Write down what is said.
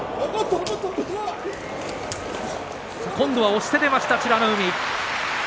押して出ました美ノ海。